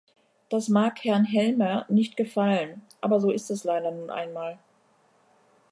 Das mag Herrn Helmer nicht gefallen, aber so ist es leider nun einmal.